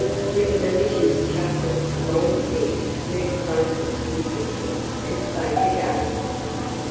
With a malicious chuckle Long Sin moved closer to his victim and spoke again.